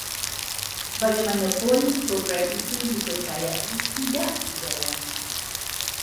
Bagaimanapun, program itu dipercayai tidak dijalankan